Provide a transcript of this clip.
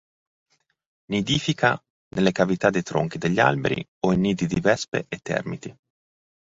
Nidifica nelle cavità dei tronchi degli alberi o in nidi di vespe e termiti.